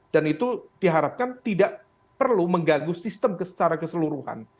dan itu diharapkan tidak perlu mengganggu sistem secara keseluruhan